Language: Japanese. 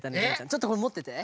ちょっとこれもってて。